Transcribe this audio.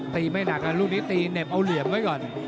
ไม่หนักลูกนี้ตีเหน็บเอาเหลี่ยมไว้ก่อน